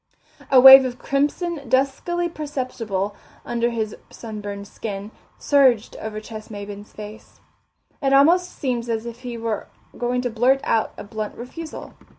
A wave of crimson, duskily perceptible under his sunburned skin, surged over Ches Maybin's face. It almost seemed as if he were going to blurt out a blunt refusal.